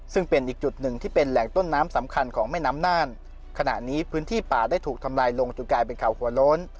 ซึ่งเป็นอีกจุดหนึ่งที่เป็นแหล่งต้นน้ำสำคัญของแม่น้ำน่านขณะนี้พื้นที่ป่าได้ถูกทำลายลงจนกลายเป็นเขาหัวโล้น